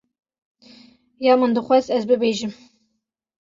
Ya min dixwest ez bibêjim.